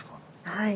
はい。